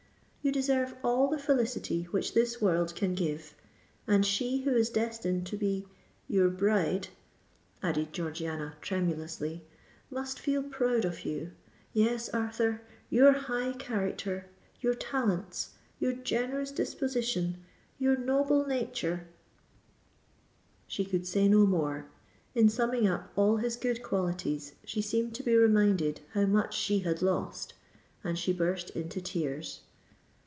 You deserve all the felicity which this world can give; and she who is destined to be—your bride," added Georgiana tremulously, "must feel proud of you. Yes, Arthur—your high character—your talents—your generous disposition—your noble nature——" She could say no more: in summing up all his good qualities, she seemed to be reminded how much she had lost—and she burst into tears.